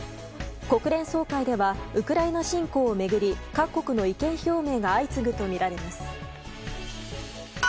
国連総会ではウクライナ侵攻を巡り各国の意見表明が相次ぐとみられます。